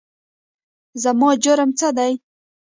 زما جرم څه دی ؟؟